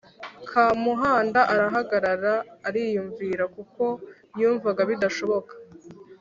Kamuhanda arahagarara ariyumvira kuko yumvaga bidashoboka